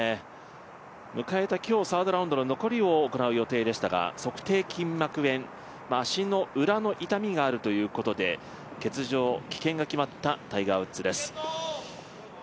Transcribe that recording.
迎えた今日サードラウンドの残りを行う予定でしたが、足底筋膜炎、足の裏の痛みがあるということで欠場、棄権が決まったタイガー・ウッズです。